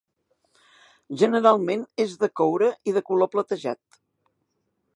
Generalment és de coure i de color platejat.